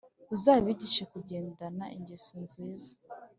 Uzabigishe kugendana ingeso nziza